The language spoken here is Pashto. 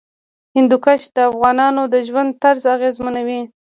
هندوکش د افغانانو د ژوند طرز اغېزمنوي.